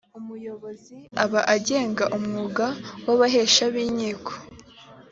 umuyobozi aba agenga umwuga w abahesha b inkiko